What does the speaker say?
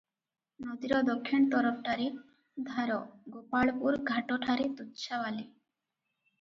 ନଦୀର ଦକ୍ଷିଣ ତରଫଟାରେ ଧାର, ଗୋପାଳପୁର ଘାଟ ଠାରେ ତୁଚ୍ଛା ବାଲି ।